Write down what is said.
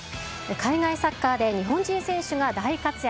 海外サッカーで日本人選手が大活躍。